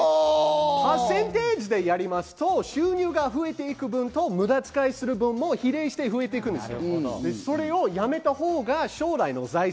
パーセンテージでやりますと、収入が増えていく分と無駄遣いする分も比例して増えていくんです。